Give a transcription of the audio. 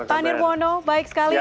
pak nirwono baik sekali